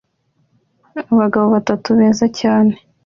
Abagabo batatu beza cyane